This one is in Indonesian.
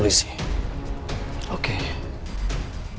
wis toen tenga perang